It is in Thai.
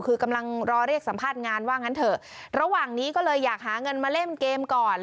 คือกำลังรอเรียกสัมภาษณ์งานว่างั้นเถอะระหว่างนี้ก็เลยอยากหาเงินมาเล่นเกมก่อน